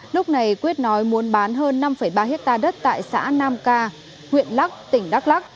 lúc này quyết nói muốn bán hơn năm ba hectare đất tại xã nam ca huyện lắc tỉnh đắk lắc